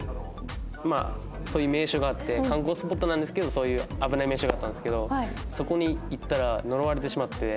まあそういう名所があって観光スポットなんですけどそういう危ない名所があったんですけどそこに行ったら呪われてしまって。